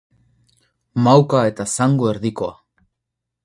Mauka eta zango erdikoa.